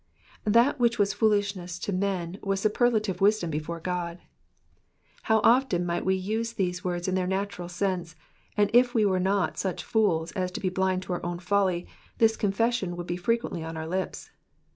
That which was foolishness to men was superlative wisdom before God. How oftea might we use these words in their natural sense, and if we were not such fools as to be blind to our own folly, this confession would be frequently on our lips.